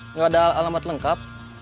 nggak ada alamat lengkap